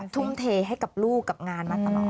ทุ่มเทให้กับลูกกับงานมาตลอด